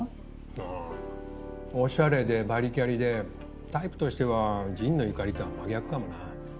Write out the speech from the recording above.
ああおしゃれでバリキャリでタイプとしては神野由香里とは真逆かもな。